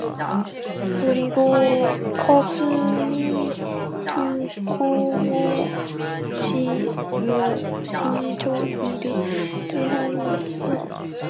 그리고 가슴이 뜨거워지며 신철이를 대하여 무엇인지 모르게 묻고 싶은 충동을 강하게 느꼈다.